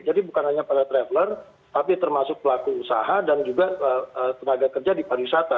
jadi bukan hanya para traveler tapi termasuk pelaku usaha dan juga tenaga kerja di pariwisata